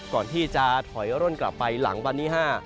ก่อนที่จะถอยร่นกลับไปหลังวันที่๕